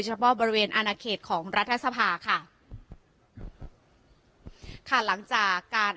เฉพาะบริเวณอนาเขตของรัฐสภาค่ะค่ะหลังจากการ